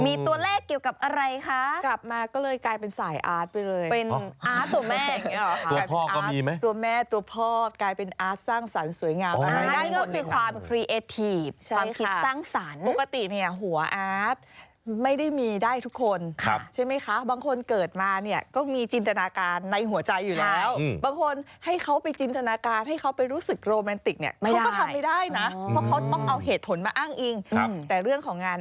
มีตัวแรกเกี่ยวกับอะไรคะกลับมาก็เลยกลายเป็นสายอาร์ตไปเลยเป็นอาร์ตตัวแม่ตัวพ่อก็มีไหมตัวแม่ตัวพ่อกลายเป็นอาร์ตสร้างสรรค์สวยงามอาร์ตก็คือความครีเอทีฟความคิดสร้างสรรค์ปกติเนี่ยหัวอาร์ตไม่ได้มีได้ทุกคนใช่ไหมคะบางคนเกิดมาเนี่ยก็มีจินตนาการในหัวใจอยู่แล้วบางคนให้เขาไปจินตนาการให้เขาไปรู้สึ